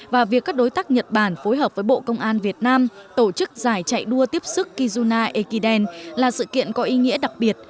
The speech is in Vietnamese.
và việc các đối tác nhật bản phối hợp với bộ công an việt nam tổ chức giải chạy đua tiếp sức kizuna ekiden là sự kiện có ý nghĩa đặc biệt